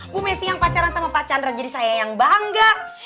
bu messi yang pacaran sama pak chandra jadi saya yang bangga